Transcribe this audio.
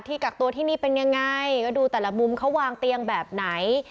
กักตัวที่นี่เป็นยังไงก็ดูแต่ละมุมเขาวางเตียงแบบไหน